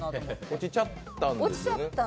落ちちゃったんですかね。